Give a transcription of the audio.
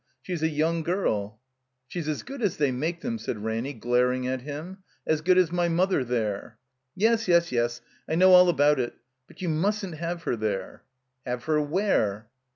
She's a yoting girl—" ''She's as good as they make them," said Ramiy, glaring at him, "as good as my mother there." Yes, yes, yes. I know all about it. But you mustn't have her there." "Have her where?"